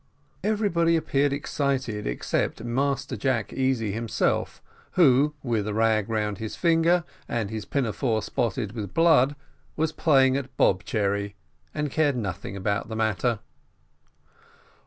Everybody appeared excited except Master Jack Easy himself, who, with a rag round his finger, and his pinafore spotted with blood, was playing at bob cherry, and cared nothing about the matter.